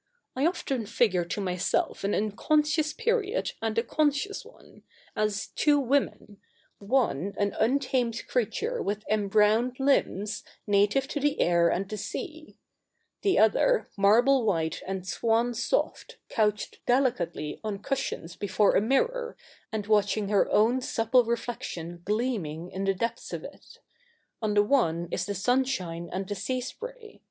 ' I often figure to myself an un conscious period and a conscious one, as two women — one an untamed creature with embrowned limbs native to the air and the sea : the other marble white and swan soft, couched dehcately on cushions before a mirror, and watching her own supple reflection gleaming in the depths of it. On the one is the sunshine and the sea spray.